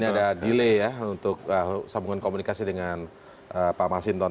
ini ada delay ya untuk sambungan komunikasi dengan pak masinton